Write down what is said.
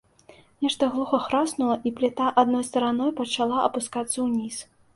Нешта глуха храснула, і пліта адной стараной пачала апускацца ўніз.